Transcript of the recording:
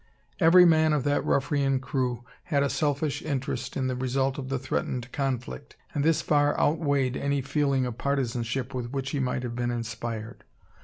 Every man of that ruffian crew had a selfish interest in the result of the threatened conflict; and this far outweighed any feeling of partisanship with which he might have been inspired.